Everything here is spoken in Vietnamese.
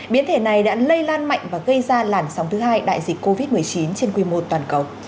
biến thể này đã lây lan mạnh và gây ra làn sóng thứ hai đại dịch covid một mươi chín trên quy mô toàn cầu